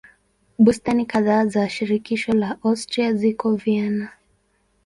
Bustani kadhaa za shirikisho la Austria ziko Vienna.